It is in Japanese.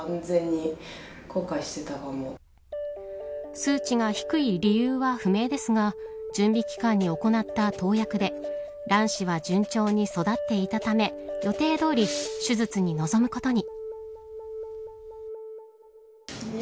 数値が低い理由は不明ですが準備期間に行った投薬で卵子は順調に育っていたため予定どおり手術に臨むことに。